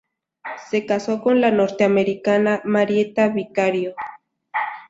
Se casó con la norteamericana Marietta Vicario.